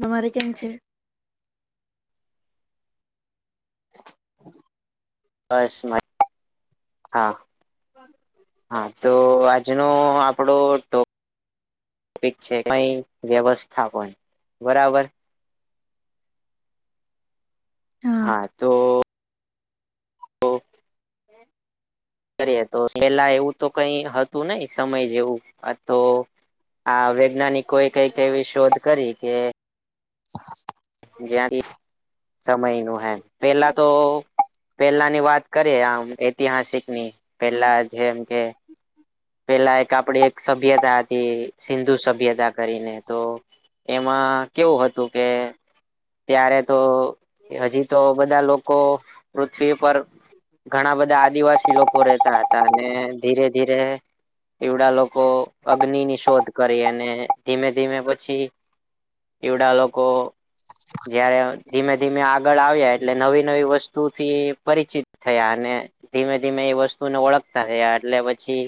તમારે કેમ છે? બસમાં હા હા તો આજ જેનો આપડો ટો છે કઈ વ્યવસ્થાપન બરાબર હા તો તો [inaudible] કરી તો પેલા એવું તો કઈ હતું નહ સમય જેવું તો આ વૈજ્ઞાનિકો એ કઈક એવી શોધ કરી કે જ્યાંથી સમય નું હેમ પેલા તો પેલા ની વાત કરીએ આમ ઐતિહાસિક ની પેલા જે એમ કે પેલા એક આપડી એક સભ્યતા હતી. સિંધુ સભ્યતા કરીને તો એમાં કેવું હતું કે ત્યારે તો હજી તો બધા લોકો પૃથ્વી પર ઘણા બધા આદિવાસી લોકો રહેતા હતા અને ધીરે ધીરે. એવડા લોકો અગ્નિ ની શોધ કરી અને ધીમે ધીમે પછી એવડા લોકો જયારે ધીમે ધીમે આગળ આવ્યા એટલે નવી નવી વસ્તુથી પરિચિત થયા અને ધીમે ધીમે એ વસ્તુને ઓળખતા થયા એટલે પછી.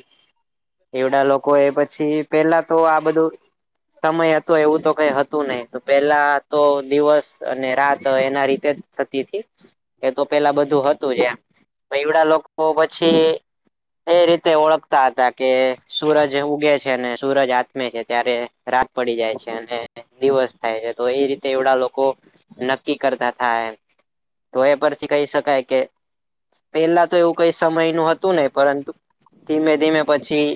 એવડા લોકો એ પછી પેલા તો આ બધું સમય હતો એવું તો કઈ હતું નહિ પેલા તો દિવસ અને રાત એના રીતે જ થતી હતી. એ તો પેલા બધું હતું જ એમ એવડા લોકો પછી. એ રીતે ઓળખતા હતા. કે સૂરજ ઉગે છે, અને સૂરજ આત્મે છે, ત્યારે રાત પડી જાય છે. અને દિવસ થાય છે તો એ રીતે એડા લોકો નક્કી કરતા થાય. તો એ પરથી કહી શકાય કે પેલા તો એવું કઈ સમય નું હતું નહિ પરંતુ ધીમે ધીમે. પછી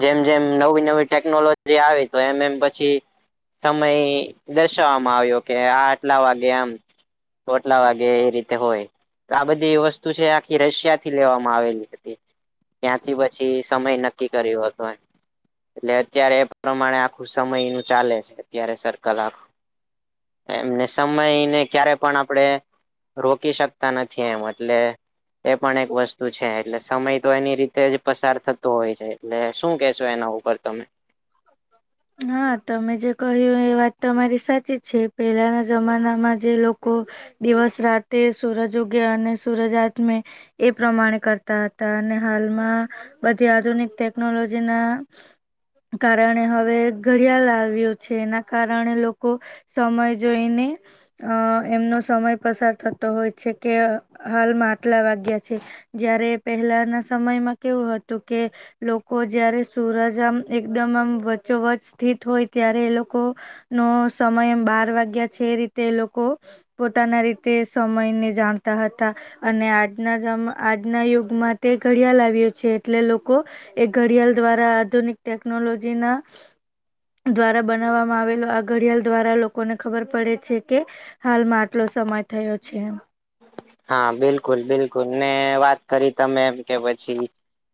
જેમ જેમ નવી નવી ટેકનોલોજી આવી. તો એમ એમ પછી સમય દર્શાવવામાં આવ્યો કે આ આટલા વાગે આમ. ખોટલા વાગે એ રીતે હોય. આ બધી એ વસ્તુ છે, આખી રશિયા થી લેવામાં આવેલી હતી. ત્યાંથી પછી સમય નક્કી કર્યો હતો. એટલે અત્યારે એ પ્રમાણે આખું સમય નું ચાલે છે, અત્યારે સર્કલ આખ એમને સમયને ક્યારે પણ આપડે રોકી શકતા નથી. એમ એટલે એ પણ એક વસ્તુ છે. એટલે સમય તો એની રીતે જ પસાર થતો તો હોય જાય. એટલે શું કેહેશો એના ઉપર તમે? [inaudible] હા તમે જે કહ્યું એ વાત તમારી સાચી જ છે. પેલાના જમાનામાં જે લોકો દિવસ રાતે સૂરજ ઉગ્યા અને સૂરજ આથમે એ પ્રમાણે કરતા હતા. અને હાલમાં બધી આધુનિક ટેકનોલોજીના કારણે હવે ઘડિયાળ આવ્યું છે. એના કારણે લોકો સમય જોઈને- અ એમનો સમય પસાર થતો હોય છે, કે હાલમાં આટલા વાગ્યા છે. જયારે પહેલાના સમયમાં કેવું હતું કે લોકો જયારે સુરજ આમ એકદમ આમ વચોવચ સ્થિત હોય ત્યારે એ લોકો નો સમય બાર વાગ્યા છે રીતે લોકો પોતાના રીતે સમયને જાણતા હતા. અને આજના આજના યુગમાં તે ઘડિયાળ આવ્યુ છે. એટલે લોકો એ ઘડિયાળ દ્વારા આધુનિક ટેકનોલોજી ના દ્વારા બનાવવામાં આવેલો આ ઘડિયાળ દ્વારા લોકોને ખબર પડે છે કે હાલમાં આટલો સમય થયો છે. હા. બિલકુલ બિલકુલ. ને વાત કરી તમે મ કે પછી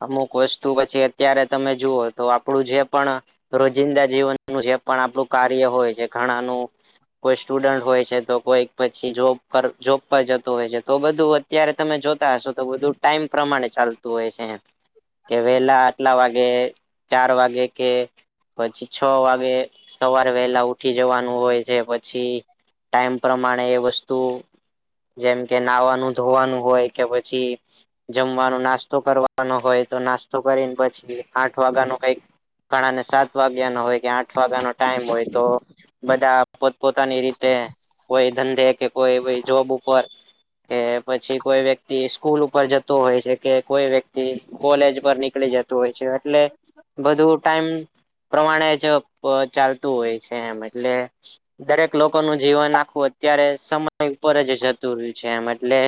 અમુક વસ્તુ પછી અત્યારે તમે જુઓ તો આપડું જે પણ રોજિંદા જીવનનું જે પણ આપણું કાર્ય હોય છે. ઘણાનું કોઈ સ્ટુડન્ટ હોય છે તો કોઈ પછી જોબ કર જોબ ર જતું હોય છે તો બધું અત્યારે તમે જોતા હશો તો બધું ટાઈમ પ્રમાણે ચાલતું હોય છે. કે વેલા આટલા વાગે ચાર વાગે કે પછી છ વાગે સવાર વહેલા ઉઠી જવાનું હોય છે. પછી ટાઈમ પ્રમાણે એ વસ્તુ જેમ કે નાહવાનું ધોવાનું હોય કે પછી જમવાનું નાસ્તો કરવાનો હોય તો નાસ્તો કરીને પછી આઠ વાગ્યા ન કઈક ઘણા ને સાત વાગ્યા નો હોય કે આઠ વાગ્યાનો ટાઈમ હોય તો બધા પોતપ પોતાની રીતે કોઈ ધંધે કે કોઈ જોબ ઉપર કે પછી કોઈ વ્યક્તિ સ્કૂલ ઉપર જતો હોય છે કે કોઈ વ્યક્તિ કોલેજ પર નીકળી જતો. હોય એટલે બધું ટાઈમ પ્રમાણે જ ચાલ હોય છે એમ એટલે દરેક લોકો ન જીવન આખું અત્યારે સમય ઉપર જ જતું. ર છે એમ એટલે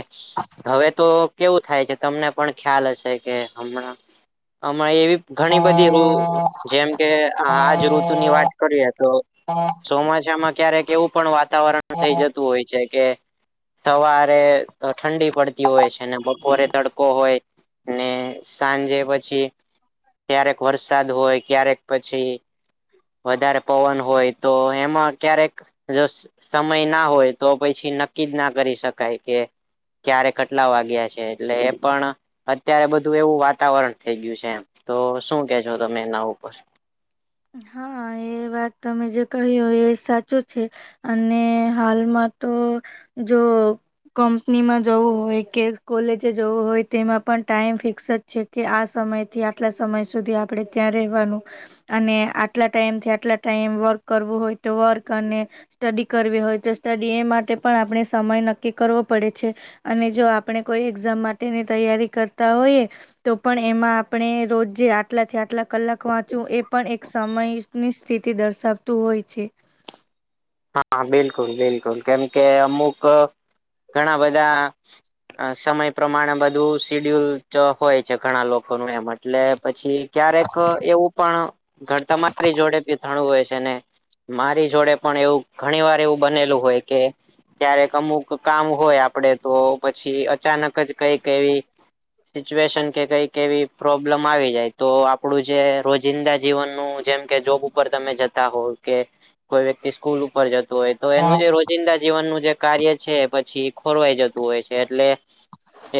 હવે તો કેવું થાય છે તમને પણ ખ્યાલ હશે કે હમણાં હમણાં એવી ઘણી બધી. જેમ કે આજ ઋતુ ની વાત કરીએ તો ચોમાસામાં ક્યારેક એવું પણ વાતાવરણ થઇ જતું હોય છે કે સવારે ઠંડી પડતી હોય છે ને બપોરે તડકો હોય. ને સાંજે પછી ક્યારેક વરસાદ હોય ક્યારેક પછી વધારે પવન હોય તો એમાં ક્યારેક જો સમય ના હોય તો પછી નક્કી જ ના કરી શકાય કે ક્યારે ખટલા વાગયા છે એટલે એ પણ અત્યારે બધું એવું વાતાવરણ થઈ ગયું છે એમ તો શું કેજો તમે એના ઉપર? હા એ વાત તમે જે કહ્યું એ સાચું છે. અને હાલમાં તો જો કંપનીમાં જવું હોય કે કોલેજે જવું હોય તેમાં પણ ટાઈમ ફિક્સ જ છે કે આ સમય થી આટલા સમય સુધી આપડે ત્યાં રવાનું અને આટલા ટાઈમથી આટલા ટાઈમ વર્ક કરવું હોય તો વર્ક અને સ્ટડી કરવી હોય તો સ્ટડી એ માટે પણ આપણે સમય નક્કી કરવો પડે છે અને જો આપણે કોઈ એક્ઝામ માટેની તૈયારી કરતા હોઈએ તો પણ એમાં આપણે રોજ જે આટલા થી આટલા કલાક વાંચવું એ પણ એક સમયની સ્થિતિ દર્શાવતું હોય છે હા બિલકુલ બિલકુલ કેમ કે અમુક ઘણા બધા અ સમય પ્રમાણે બધું સિડ્યુલ હોય છે ઘણા લોકોનું એ માટે એટલે પછી ક્યારેક એવું પણ ઘર તમારી જોડેી થણું હોય છે છેને મારી જોડે પણ એવું ઘણી વાર એવું બનેલું હોય કે ક્યારેક અમુક કામ હોય આપડે તો પછી અચાનક જ કઈક એવી સિચ્યુએશન કે કઈક એવી પ્રોબ્લેમ આવી જાય તો આપડું જે રોજિંદા જીવનનું જેમ કે જોબ ઉપર તમે જતા હોવ કે કોઈ વ્યક્તિ સ્કૂલ ઉપર જતું હોય તો હા એનું રજ જિંદા જીવનનું જે કાર્ય છે પછી ખોરવાઈ જતું હોય છે એટલે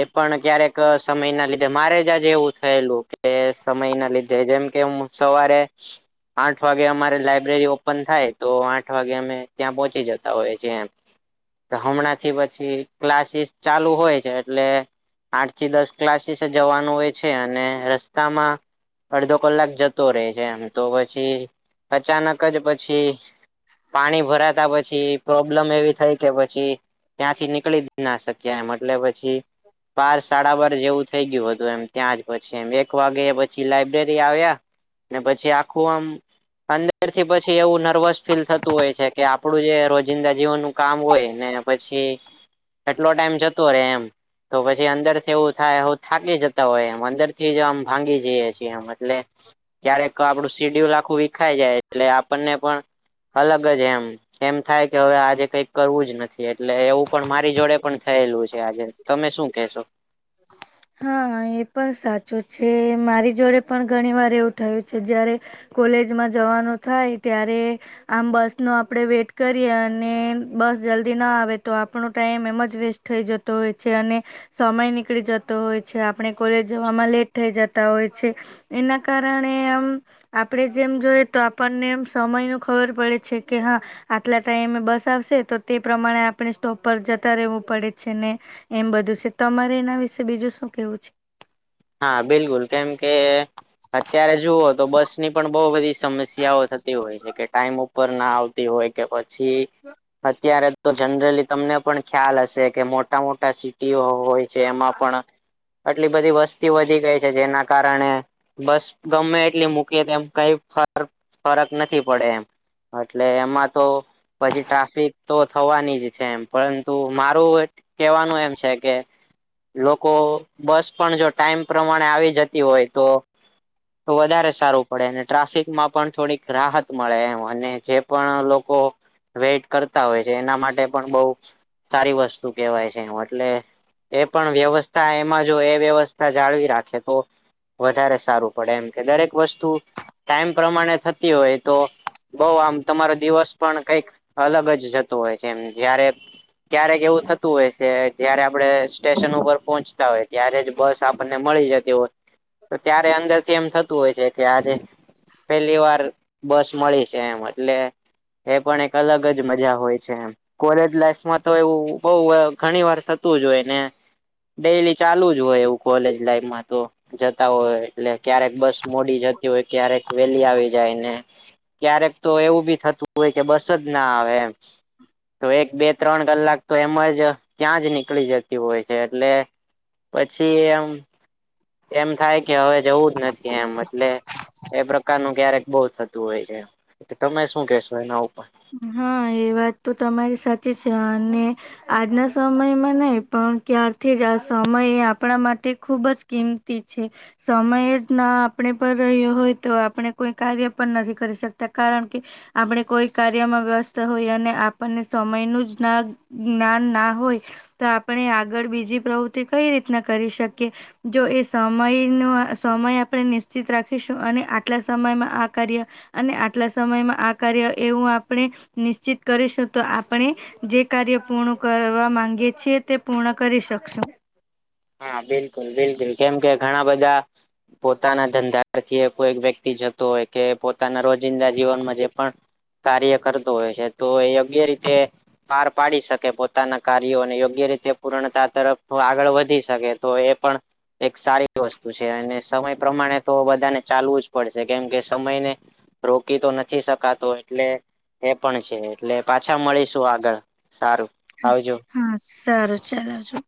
એ પણ ક્યારેક સમય ના લીધે મારે જ આજે એવું થયેલું કે સમય ના લીધે જેમ કે સવારે આઠ વાગે અમારે લાઈબ્રેરી ઓપન થાય તો આઠ આઠ વાગે અમે ત્યાં પહોંચી જતા હોયી એમ. હમણાં થી પછી ક્લાસીસ ચાલુ હોય છે એટલે આઠ થી દસ ક્લાસીસ જવાનું હોય છે અને રસ્તામાં અડધો કલાક જતો રહેે છે એમ તો પછી અચાનક જ પછી પાણી ભરાતા પછી પ્રોબ્લેમ એવી થઈ કે પછી ત્યાંથી નીકળી જ ના શકે કેમ એટલે પછી બાર સાડા બાર જેવું થઈ ગયું હતું એમ ત્યાં જ પછી એ એક વાગ્યા પછી લાયબ્રેરી આવ્યા ને પછી આખું આમ અંદર થી પછી એવું નર્વસ ફીલ થતું હોય છે કે આપડું જે રોજિંદા જીવનનું કામ હોય ને પછી કેટલો ટાઈમ જતો રે એમ તો પછી અંદર થવું થાય હ થાકી જતા હોય એમ અંદર થી જ આમ ભાંગી જઈએ છીએ એમ એટલે ક્યારેક આપડું સીડ્યુલ આખું વિખાય જાય એટલે આપણને પણ અલગ જ એમ એમ થાય કે હવે આજે કઈક કરવું જ નથી એટલે એવું પણ મારી જોડે પણ થયેલું છે આજે તમે શું કેશો? હા એ પણ સાચું છે મારી જોડે પણ ઘણી વાર એવું થયું છે જયારે કોલેજમાં જવાનું થાય ત્યારે આમ બસ નો આપડે વેટ કરીએ અને બસ જલ્દી ના આવે તો આપણો ટાઈમ એમ જ વેસ્ટ થઈ જતો હોય છે અને સમય નીકળી જતો હોય છે આપણે કોલેજ જવામાં લેટ થઈ જતા હોય છે એના કારણે આમ આપણેે જેમ જોઈએ તો આપણને એમ સમય ન ખબર પડે છે કે હા આટલા ટાઈમે બસ આવશે તો તે પ્રમાણે આપણે સ્ટોપ પર જતા રહેવું પડે છે ને એમ બધું છે તમારે એના વિશે બીજું શું કેવું છે. હા બિલકુલ કેમ કે અત્યારે જુઓ તો બસ ની પણ બહુ બધી સમસ્યાઓતી તે હોય છે કે ટાઈમ ઉપર ના આવતી હોય કે પછી અત્યારે તો જનરલી તમને પણ ખ્યાલ હશે કે મોટા મોટા સિટીઓ હોય છે એમાં પણ આટલી બધી વસ્તી વધી ગઈ છે જેના કારણે બસ ગમે એટલી મૂકીએ તો એમ કઈ ફ ફરક નથી પડે એમ. એટલે એમાં તો પછી ટ્રાફિક તો થવાની જ છે એમ પરંતુ મારું એ કેવાનું એમ છે કે લોકો બસ પણ જો ટાઈમ પ્રમાણે આવી જતી હોય તો તો વધારે સારું પડે અને ટ્રાફિકમાં પણ થોડીક રાહત મળે એમ અને જે પણ લોકો વેઇટ કરતા હોય છે એના માટે પણ બઉ સારી વસ્તુ કેહેવાય છે એટલે એ પણ વ્યવસ્થા એમાં જો એ વ્યવસ્ થા જાળવી રાખે તો વધારે સારું પડે એમ કે દરેક વસ્ત ટાઈમ પ્રમાણે થતી હોય તો બઉ આમ તમારો દિવસ પણ કઈક અલગ જ જતો હોય છે એમ. જયારે ક્યારેક એવું થતું હોય છે જયારે આપડ સ્ટેશન ઉપર પહોંચતા હોય જય્યારે જ બસ આપણને મળી જતી હોય તો ત્યારે અંદરથી એમ થતું હોય છે કે આજે પેલી વાર બસ મળી છે એમ એટલે એ પણ એક અલગ જ મજા હોય છે એમ. કોલેજ લાઈફમાં તો એવું બઉ વા ઘણી વાર થતું જ હોય ને. ડેલી ચાલુ જ હોય એવું કોલેજ લાઈફમાં તો. જતા હોય એટલે ક્યારેક બસ મોડી જતી હોય ક્યારેક વેલી આવી જાય ને. ક્યારેક તો એવું બી થતું હોય કે બસ જ ના આવે એમ. તો એક બે ત્રણ કલાક તો એમ જ ત્યાં જ નીકળી જતી હોય છે એટલે પછી એમ એમ થાય કે હવે જવું જ નથી એમ એટલે એ પ્રકારનું ક્યારેક બહુ થતું હોય છે તમે શું કેશો એના ઉપર. હા એ વાત તો તમારી સાચી છે અને આજના સમયમાં નહી પણ ક્યારથી જ આ સમય આપણા માટે ખુબ જ કીમ તી છે. સમય જ ના આપણેે પણ રહ્યો હોય તો આપણે કોઈ કાર્ય પણ નથી કરી શકતા. કારણ કે આપણે કોઈ કાર્યમાં વ્યસ્ત હોય અને આપણને સમયનું જ ના જ્ઞાન ના હોય તો આપણે આગળ બીજી પ્રવૃત્તિ કઈ રીતના કરી શકીએ. જો એ સમયનો સમય આપણે નિશ્ચિત રાખીશું અને આટલા સમયમાં આ કાર્ય અને આટલા સમયમાં આ કાર્ય એવું આપણે નિશ્ચિત કરીશું તો આપણે જે કાર્ય પૂર્ણ કરવા માંગે છીએ તે પૂર્ણ કરી શકશું. હા બિલકુલ-બિલકુલ કેમ કે ઘણા બધા પોતાના ધંધાથી કોઈ વ્યક્તિ જતો હોય કે પોતાના રોજ જિંદા જીવનમાં જે પણ કાર્ય કરતો હોય છે તો યોગ્ય રીતે પાર પાડી શકે પોતાના કાર્યોને યોગ્ય રીતે પૂર્ણતા તરફ આગળ વધી શકે તો એ પણ એક સારી વસ્તુ છે અને સમય પ્રમાણે તો બધાને ચાલવું જ પડશે કેમ કે સમયને રોકી તો નથી શકાતો એટલે એ પણ છે એટલે પાછા મળીશું આગળ સારું આવજો. હા સારું ચાલજો.